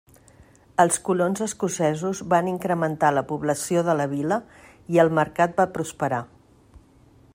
Els colons escocesos van incrementar la població de la vila i el mercat va prosperar.